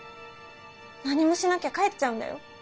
何もしなきゃ帰っちゃうんだよ。